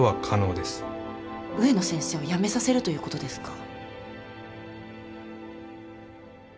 植野先生を辞めさせるということですか？